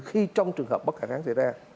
khi trong trường hợp bất khả kháng xảy ra